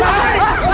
kamu sudah bisa